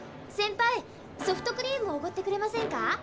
センパイソフトクリームおごってくれませんか？